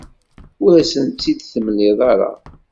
Ur asent-tt-id-temliḍ ara.